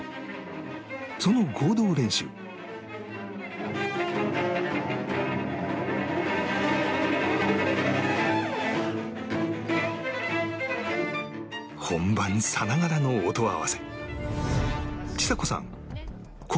その合同練習本番さながらの音合わせちさ子さん